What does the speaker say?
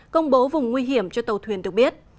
công bố vùng nguy hiểm cho tàu thuyền được biết